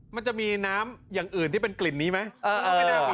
มันจะมีน้ำอย่างอื่นที่เป็นกลิ่นนี้ไหม